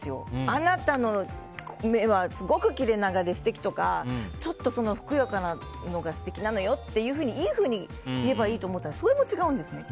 あなたの目はすごく切れ長で素敵とかちょっとふくよかなのが素敵なのよといいふうに言えばいいと思っていたらそれも違うんですね。